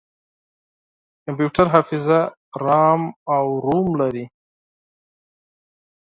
کمپیوټر حافظه رام او روم لري.